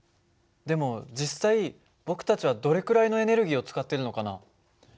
でも実際僕たちはどれくらいのエネルギーを使ってるのかな？